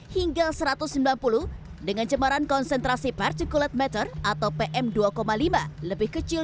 hingga satu ratus sembilan puluh dengan cemaran konsentrasi particulate matter atau pm dua lima lebih kecil